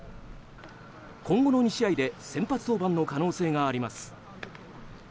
今後の２試合で先発登板の可能性があります。